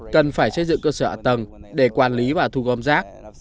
cần phải xây dựng cơ sở hạ tầng để quản lý và thu gom rác